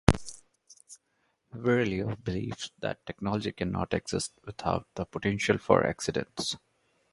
Virilio believes that technology cannot exist without the potential for accidents.